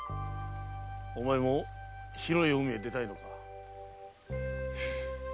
お前も広い海へ出たいのか？